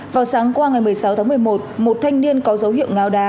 vào sáng qua ngày một mươi sáu tháng một mươi một một thanh niên có dấu hiệu ngáo đá